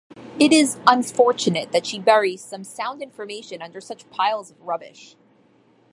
It is unfortunate that she buries some sound information under such piles of rubbish.